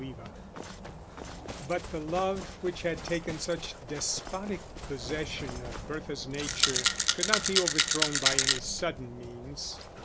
Chapter XX But the love which had taken such despotic possession of Bertha's nature could not be overthrown by any sudden means.